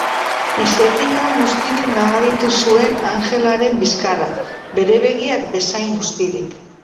Izerditan bustirik nabaritu zuen Angelaren bizkarra, bere begiak bezain bustirik.